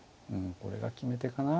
これが決め手かな。